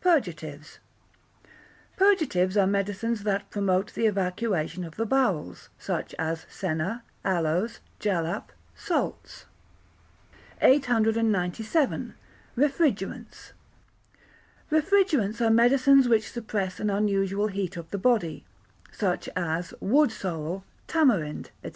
Purgatives Purgatives are medicines that promote the evacuation of the bowels, such as senna, aloes, jalap, salts. 897. Refrigerants Refrigerants are medicines which suppress an unusual heat of the body, such as wood sorrel, tamarind, &c.